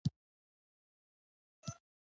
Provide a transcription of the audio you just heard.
رنګ یې تور او سکڼۍ دی.